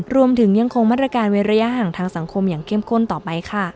ยังคงมาตรการเว้นระยะห่างทางสังคมอย่างเข้มข้นต่อไปค่ะ